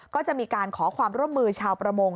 ก็จะมีการขอความร่วมมือชาวประมง